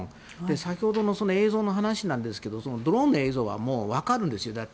先ほどの映像の話ですがドローンの映像は分かるんですよ。